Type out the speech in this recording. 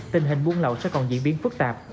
tình hình buôn lậu sẽ còn diễn biến phức tạp